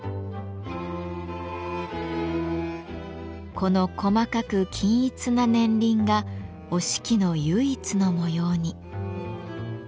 この細かく均一な年輪が折敷の唯一の模様に。